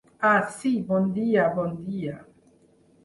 Ah, sí, bon dia, bon dia.